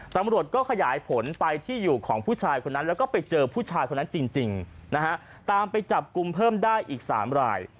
ตำรวจก็ขยายผลไปที่อยู่ของผู้ชายคนนั้นแล้วก็ไปเจอผู้ชายคนนั้นจริงนะฮะตามไปจับกลุ่มเพิ่มได้อีก๓ราย